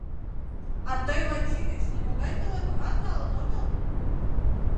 А тый Вачи деч нимогай пӧлекымат налын отыл?